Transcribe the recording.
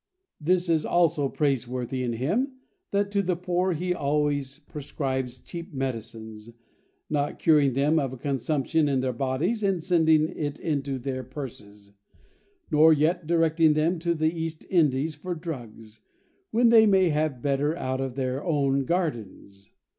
This is also praiseworthy in him, that to the poor he always prescribes cheap medicines; not curing them of a consumption in their bodies and sending it into their purses, nor yet directing them to the East Indies for drugs, when they may have better out of their own gardens.